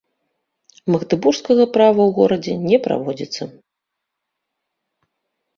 Магдэбургскага права ў горадзе не праводзіцца.